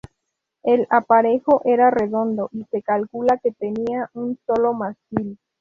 El aparejo era redondo y se calcula que tenía un solo mástil.